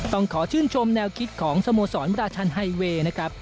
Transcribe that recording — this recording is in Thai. ต้องขอชื่นชมแนวคิดของสโมสรราชันไฮเวย์นะครับ